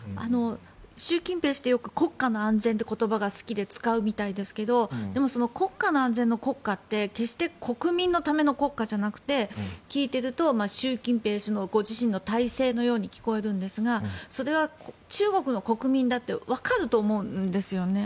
習近平氏ってよく国家の安全って言葉が好きで使うみたいですけどでも国家の安全の国家って決して国民のための国家じゃなくて聞いていると習近平氏自身の体制のように聞こえるんですがそれは中国の国民だってわかると思うんですよね。